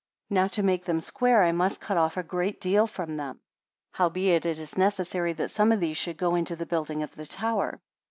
Now to make them square, I must cut off a great deal from them; howbeit, it is necessary that some of these should go into the building of the tower.